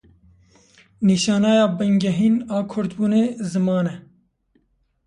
Nîşaneya bingehîn a kurdbûnê ziman e.